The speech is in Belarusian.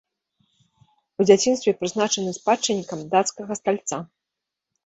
У дзяцінстве прызнаны спадчыннікам дацкага стальца.